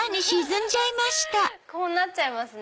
こうなっちゃいますね。